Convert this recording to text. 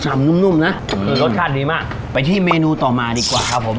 นุ่มนุ่มนะเออรสชาติดีมากไปที่เมนูต่อมาดีกว่าครับผม